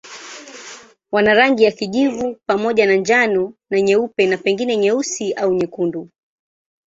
Wana rangi ya kijivu pamoja na njano na nyeupe na pengine nyeusi au nyekundu.